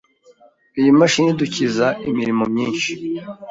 Iyi mashini idukiza imirimo myinshi.